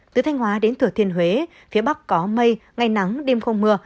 từ thanh hóa đến thừa thiên huế phía bắc có mây ngày nắng đêm không mưa